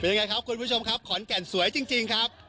ยังไงครับคุณผู้ชมครับขอนแก่นสวยจริงครับ